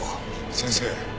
先生。